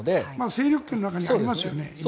勢力圏の中にありますよね。